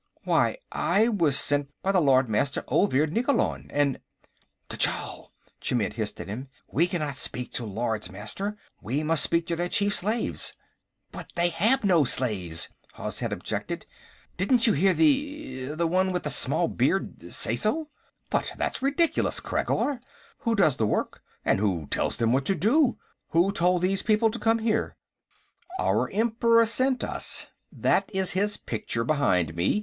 "Why, I was sent by the Lord Master Olvir Nikkolon, and...." "Tchall!" Chmidd hissed at him. "We cannot speak to Lords Master. We must speak to their chief slaves." "But they have no slaves," Hozhet objected. "Didn't you hear the ... the one with the small beard ... say so?" "But that's ridiculous, Khreggor. Who does the work, and who tells them what to do? Who told these people to come here?" "Our Emperor sent us. That is his picture, behind me.